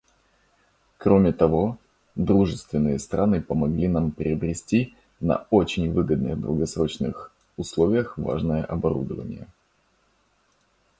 Кроме того, дружественные страны помогли нам приобрести на очень выгодных долгосрочных условиях важное оборудование.